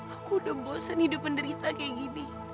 aku udah bosan hidup menderita kayak gini